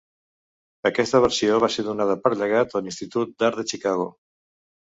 Aquesta versió va ser donada per llegat a l'Institut d'Art de Chicago.